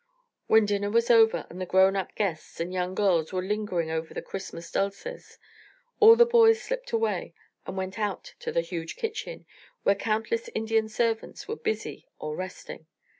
When dinner was over and the grown up guests and young girls were lingering over the Christmas dulces, all the boys slipped away and went out to the huge kitchen, where countless Indian servants were busy or resting.